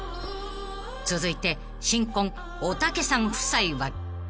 ［続いて新婚おたけさん夫妻は？］